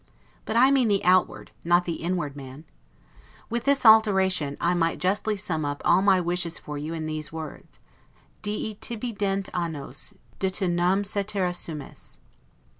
but I mean the outward, not the inward man. With this alteration, I might justly sum up all my wishes for you in these words: Dii tibi dent annos, de to nam caetera sumes.